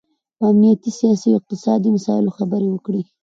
په امنیتي، سیاسي او اقتصادي مسایلو خبرې وکړي